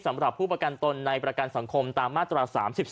สำหรับผู้ประกันตนในประกันสังคมตามมาตรา๓๒